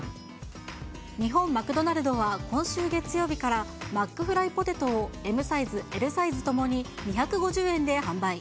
日本マクドナルドは今週月曜日からマックフライポテトをＭサイズ、Ｌサイズともに２５０円で販売。